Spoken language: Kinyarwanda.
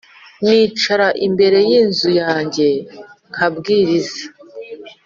Nicara imbere y inzu yanjye nkabwiriza